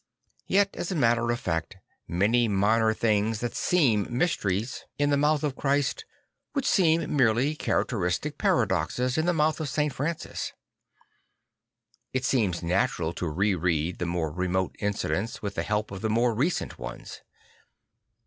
Yet as a matter of fact, lid.ny minur things that seem mysteries in the 13 6 St. Francis of Assisi mouth of Christ would seem merely character istic paradoxes in the mouth of St. Francis. It seems natural to re read the more remote incidents with the help of the more recent ones.